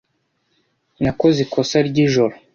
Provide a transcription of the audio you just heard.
Nakoze ikosa ryijoro.